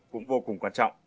cũng vô cùng quan trọng